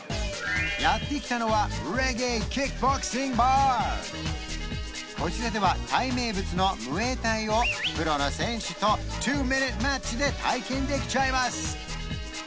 やって来たのはこちらではタイ名物のムエタイをプロの選手と２ミニッツマッチで体験できちゃいます